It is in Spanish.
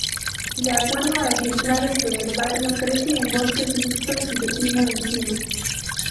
De acuerdo a ejemplares de herbario, crece en bosques mixtos, de pino, encino.